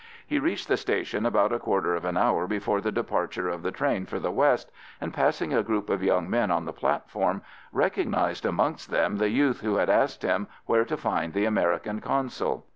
He reached the station about a quarter of an hour before the departure of the train for the west, and passing a group of young men on the platform, recognised amongst them the youth who had asked him where to find the American consul.